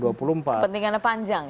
kepentingannya panjang ya